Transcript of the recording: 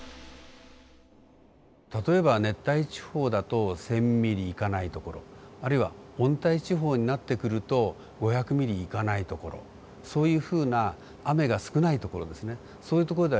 例えば熱帯地方だと１，０００ミリいかない所あるいは温帯地方になってくると５００ミリいかない所そういうふうな雨が少ない所ですね